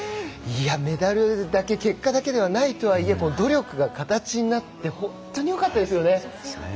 メダルだけ結果だけではないとはいえ努力が形になって本当によかったですよね。